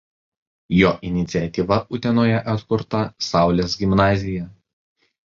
Jo iniciatyva Utenoje atkurta „Saulės“ gimnazija.